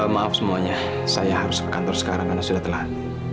maaf semuanya saya harus ke kantor sekarang karena sudah telan